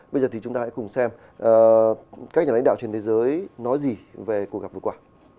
bây giờ thì chúng ta hãy cùng xem các nhà lãnh đạo trên thế giới nói gì về cuộc gặp vừa qua